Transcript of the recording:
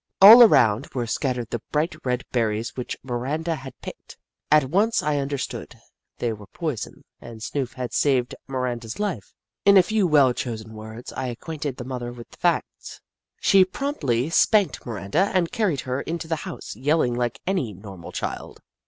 All around were scattered the bright red berries which Miranda had picked. At once I understood — they were poison, and Snoof had saved Miranda's life. In a few well chosen words, I acquainted the mother with the facts. She promptly spanked Miranda and carried her into the house, yelling like any normal child.